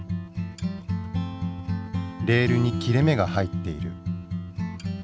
レールに切れ目が入っている。